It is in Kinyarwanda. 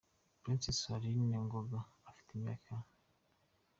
Princess Aline Ngoga: Afite imyaka ,, cm,.